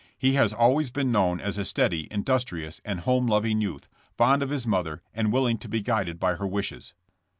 He has always been known as a steady, industrious and home loving youth, fond of his mother, and willing to be guided by her wishes.